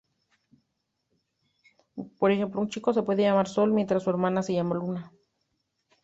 Por ejemplo, un chico puede llamarse "sol" mientras su hermana se llama "luna".